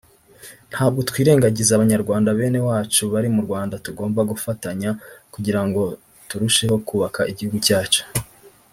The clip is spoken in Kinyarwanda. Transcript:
ntabwo twirengagiza Abanyarwanda bene wacu bari mu Rwanda tugomba gufatanya kugira ngo turusheho kubaka igihugu cyacu